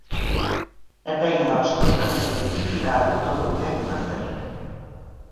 E teñen absolutamente tipificado todo o que hai que facer.